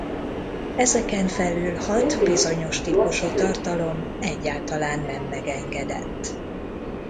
Ezeken felül hat bizonyos típusú tartalom egyáltalán nem megengedett.